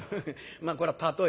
「まあこら例え」。